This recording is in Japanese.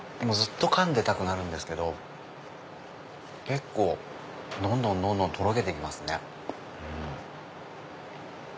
もうずっとかんでたくなるんですけど結構どんどんとろけて行きますね。